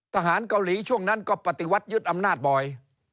ทหารเกาหลีช่วงนั้นก็ปฏิวัติยึดอำนาจบ่อย